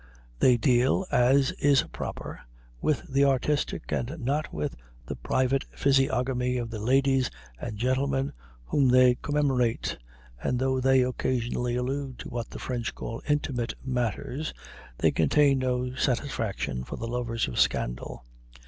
They deal, as is proper, with the artistic and not with the private physiognomy of the ladies and gentlemen whom they commemorate; and though they occasionally allude to what the French call "intimate" matters, they contain no satisfaction for the lovers of scandal.